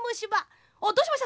あっどうしました？